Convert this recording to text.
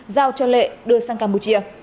giao cho lệ đưa sang campuchia